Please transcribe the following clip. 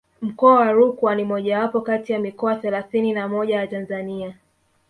Mkoa wa Rukwa ni mojawapo kati ya mikoa thelathini na moja ya Tanzania